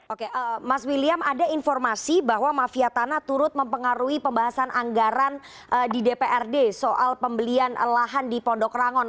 oke mas william ada informasi bahwa mafia tanah turut mempengaruhi pembahasan anggaran di dprd soal pembelian lahan di pondok rangon